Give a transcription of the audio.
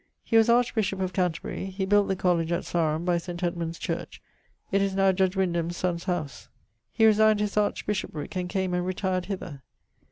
He was archbishop of Canterbury. He built the college at Sarum, by St. Edmund's Church: it is now Judge Wyndham's sonne's howse. He resigned his archbishoprick, and came and retired hither.